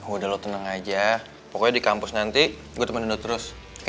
udah lo tenang aja pokoknya di kampus nanti gue temenin lo terus oke